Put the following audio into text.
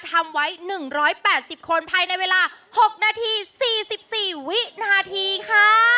ทำไว้๑๘๐คนภายในเวลา๖นาที๔๔วินาทีค่ะ